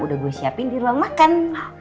udah gue siapin di ruang makan